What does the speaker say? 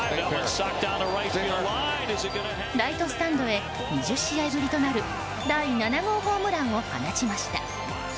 ライトスタンドへ２０試合ぶりとなる第７号ホームランを放ちました。